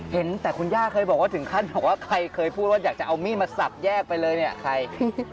เห็นแต่คุณย่าเคยบอกว่าถึงขั้นบอกว่าใครเคยพูดว่าอยากจะเอามีดมาสับแยกไปเลยเนี่ยใคร